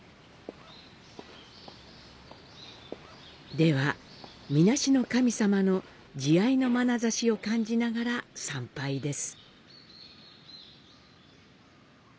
では、水無神さまの慈愛のまなざしを感じながら参拝です。